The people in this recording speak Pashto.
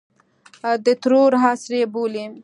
د ترور عصر یې بولي.